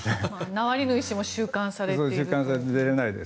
ナワリヌイ氏も収監されているという。